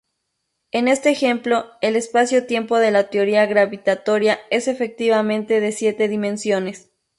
En este ejemplo, el espacio-tiempo de la teoría gravitatoria es efectivamente de siete dimensiones.